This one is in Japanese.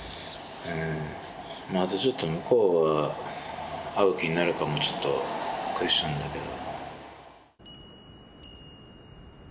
まずちょっと向こうが会う気になるかもちょっとクエスチョンだけど。